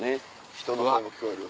人の声も聞こえる。